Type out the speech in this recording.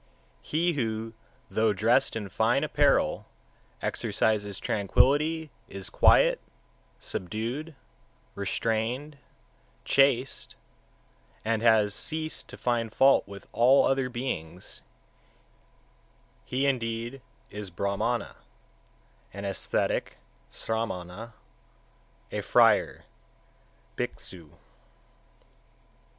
142. He who, though dressed in fine apparel, exercises tranquillity, is quiet, subdued, restrained, chaste, and has ceased to find fault with all other beings, he indeed is a Brahmana, an ascetic (sramana), a friar (bhikshu). 143.